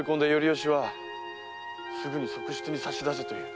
致はすぐに側室に差し出せと言う。